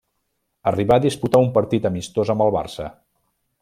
Arribà a disputar un partit amistós amb el Barça.